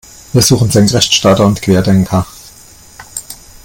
Wir suchen Senkrechtstarter und Querdenker.